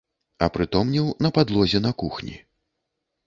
Апрытомнеў на падлозе на кухні.